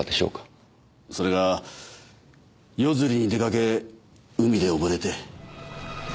それが夜釣りに出かけ海で溺れて。